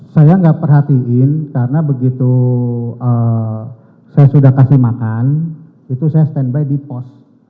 saya nggak perhatiin karena begitu saya sudah kasih makan itu saya standby di pos